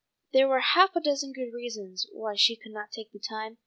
There were half a dozen good reasons why she could not take the time.